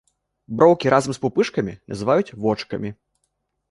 Броўкі разам з пупышкамі называюць вочкамі.